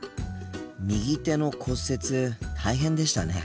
右手の骨折大変でしたね。